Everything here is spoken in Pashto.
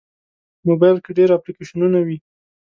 موبایل کې ډېر اپلیکیشنونه وي.